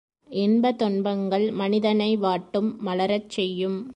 இன்ப துன்பங்கள் மனிதனை வாட்டும் மலரச் செய்யும்.